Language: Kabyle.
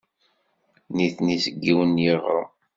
Nitni seg yiwen n yiɣrem.